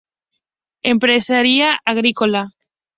Empresaria agrícola.